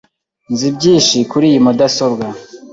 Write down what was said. Nzi byinshi kuri iyi mudasobwa .